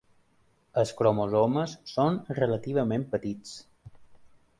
Els cromosomes són relativament petits.